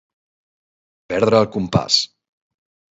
Perdre el compàs.